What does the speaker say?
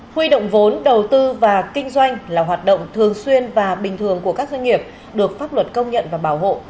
huy động vốn đầu tư và kinh doanh là hoạt động thường xuyên và bình thường của các doanh nghiệp được pháp luật công nhận và bảo hộ